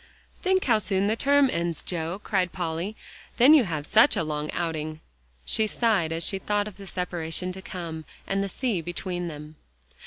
"Think how soon the term ends, Joe," cried Polly, "then you have such a long outing." She sighed as she thought of the separation to come, and the sea between them.